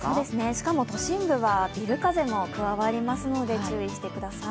しかも都心部はビル風も加わりますので注意してください。